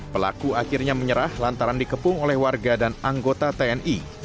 pelaku akhirnya menyerah lantaran dikepung oleh warga dan anggota tni